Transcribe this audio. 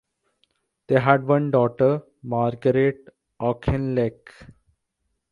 They had one daughter Margaret Auchinleck.